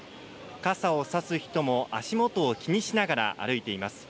傘を差す人も足元を気にしながら歩いています。